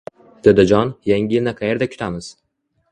Dadajon, yangi yilni qayerda kutamiz?